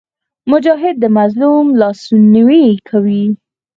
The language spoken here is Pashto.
مجاهد د مظلوم لاسنیوی کوي.